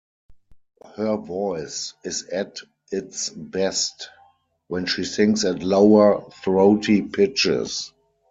Her voice is at its best when she sings at lower, throaty pitches.